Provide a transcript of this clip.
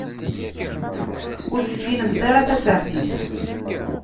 Ur tessinemt ara tasertit.